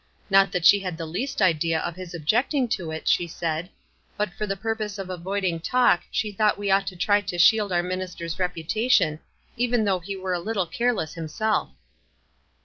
Not that she had the least idea of his objecting to it, she said; but for the purpose of avoiding talk she thought we ought to try to shield our min ister's reputation, even though he were a little careless himself."